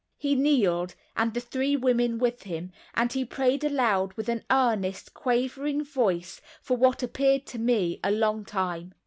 He kneeled, and the three women with him, and he prayed aloud with an earnest quavering voice for, what appeared to me, a long time.